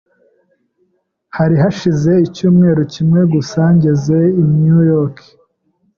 Hari hashize icyumweru kimwe gusa ngeze i New York